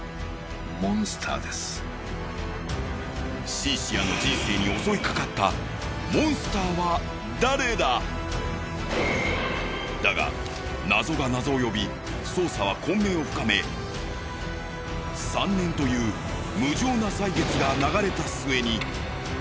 シンシアの人生に襲いかかっただが謎が謎を呼び捜査は混迷を深め３年という無情な歳月が流れた末に。